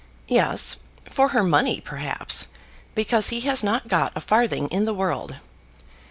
"Yes, for her money, perhaps; because he has not got a farthing in the world.